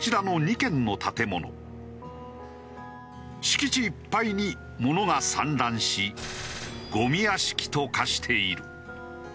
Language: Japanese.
敷地いっぱいに物が散乱しゴミ屋敷と化している。